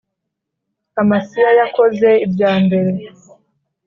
Amasiya yakoze ibya mbere